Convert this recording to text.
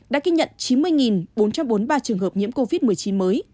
đã ghi nhận chín mươi bốn trăm bốn mươi ba trường hợp nhiễm covid một mươi chín mới